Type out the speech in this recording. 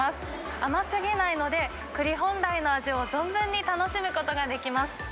甘すぎないので、くり本来の味を存分に楽しむことができます。